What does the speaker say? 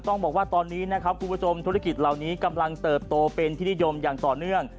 ต้องบอกว่าตอนนี้นะครับคุณผู้ชมธุรกิจเหล่านี้กำลังเติบโตเป็นที่นิยมอย่างต่อเนื่อง